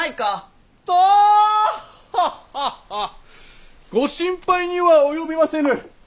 アッハッハッハ！ご心配には及びませぬ！